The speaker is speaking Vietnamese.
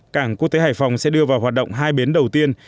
cảng quốc tế hải phòng sẽ đưa vào hoạt động hai bến đầu tiên